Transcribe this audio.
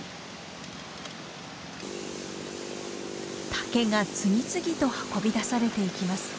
竹が次々と運び出されていきます。